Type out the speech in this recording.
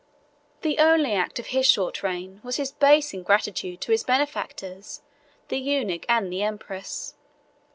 The only act of his short reign was his base ingratitude to his benefactors, the eunuch and the empress.